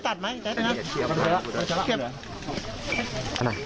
ตัดไหมใจเย็นครับ